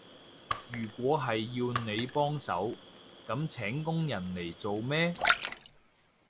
如果係要你幫手，噉請工人嚟做咩？